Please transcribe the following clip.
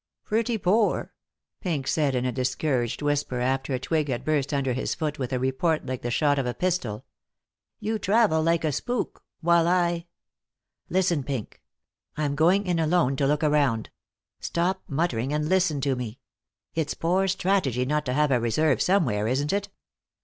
"Pretty poor," Pink said in a discouraged whisper, after a twig had burst under his foot with a report like the shot of a pistol. "You travel like a spook, while I " "Listen, Pink. I'm going in alone to look around. Stop muttering and listen to me. It's poor strategy not to have a reserve somewhere, isn't it?"